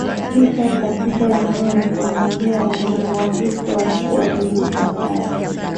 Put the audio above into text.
tisa katika eneo la Tanzania ya leo Wakristo walikuwa elfu kadhaa tu